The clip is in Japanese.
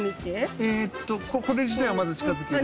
えっとこれ自体をまず近づける。